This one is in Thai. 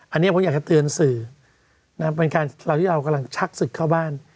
อันนี้ผมอยากจะเตือนสื่อนะครับเป็นการเราที่เรากำลังชักศึกเข้าบ้าน